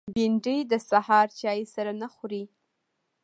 بېنډۍ د سهار چای سره نه خوري